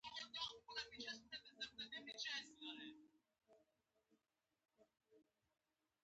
په دې وخت کې هوسۍ د خوړو لپاره حرکت کوي